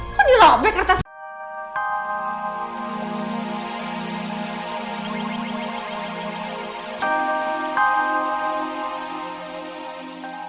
kok dirobek atasnya